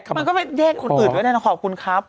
มันก็ไปแยกคนอื่นด้วยนะขอบคุณครับ